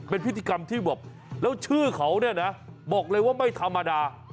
เป็นพิธีกรรมที่แบบแล้วชื่อเขาเนี่ยนะบอกเลยว่าไม่ธรรมดา